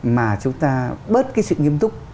mà chúng ta bớt cái sự nghiêm túc